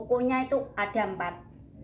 kukunya itu ada empat